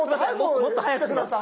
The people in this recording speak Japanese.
もっと早くして下さい。